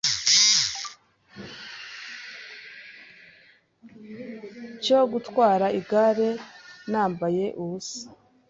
cyo gutwara igare nambaye ubusa